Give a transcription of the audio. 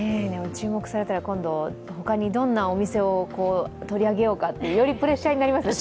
注目されたら今度、他にどんなお店を取り上げようかとよりプレッシャーになりますね